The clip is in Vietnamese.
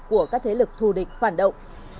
của các thế lực thù địch phản động